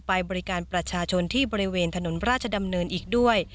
ไปบริการประชาชนที่บริเวณถนนราชดำเนินอีกด้วย